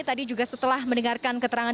tadi juga setelah mendengarkan keterangan